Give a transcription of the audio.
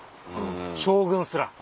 将軍すら。